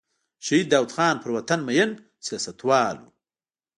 شهید داود خان پر وطن مین سیاستوال و.